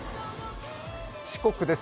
四国です。